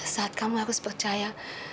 saat kamu harus percaya